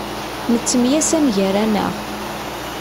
Nettemyasam gar-aneɣ.